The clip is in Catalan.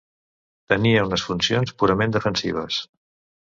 Tenia unes funcions purament defensives.